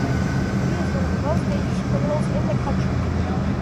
He is one of the most dangerous criminals in the country.